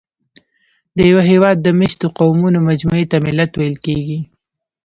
د یوه هېواد د مېشتو قومونو مجموعې ته ملت ویل کېږي.